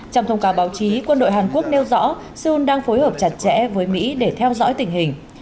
trong thông cáo báo chí quân đội hàn quốc nêu rõ seoul đang phối hợp chặt chẽ với mỹ để theo dõi tình hình